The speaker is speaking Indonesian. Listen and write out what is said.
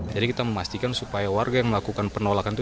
jadi kita memastikan supaya warga yang melakukan penolakan itu